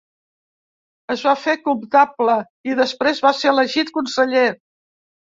Es va fer comptable i després va ser elegit conseller.